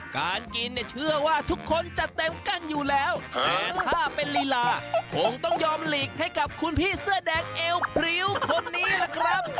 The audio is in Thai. การกินเนี่ยเชื่อว่าทุกคนจะเต็มกันอยู่แล้วแต่ถ้าเป็นลีลาคงต้องยอมหลีกให้กับคุณพี่เสื้อแดงเอวพริ้วคนนี้ล่ะครับ